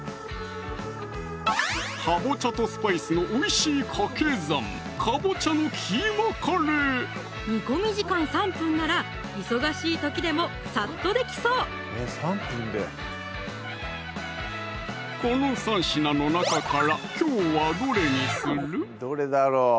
かぼちゃとスパイスのおいしいかけ算煮込み時間３分なら忙しい時でもさっとできそうこの３品の中からきょうはどれにする？